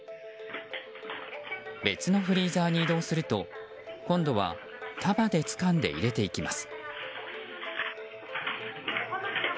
別のフリーザーに移動すると今度は束でつかんで入れていきます。